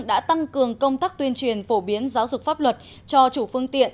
đã tăng cường công tác tuyên truyền phổ biến giáo dục pháp luật cho chủ phương tiện